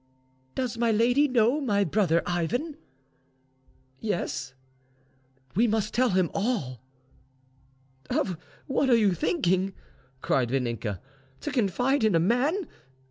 "Does my lady know my brother Ivan?" "Yes." "We must tell him all." "Of what are you thinking?" cried Vaninka. "To confide in a man?